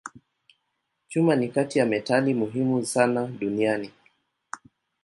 Chuma ni kati ya metali muhimu sana duniani.